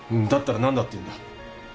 だったら何だって言うんだ。